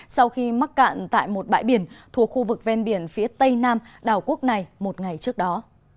sau khi mắc cạn tại một bãi biển thuộc khu vực ven biển phía tây nam đảo quốc này một ngày trước đó